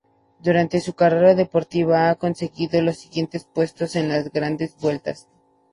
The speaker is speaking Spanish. Durante su carrera deportiva ha conseguido los siguientes puestos en las Grandes Vueltas.